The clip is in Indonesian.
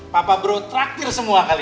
papa bro traktir semua kali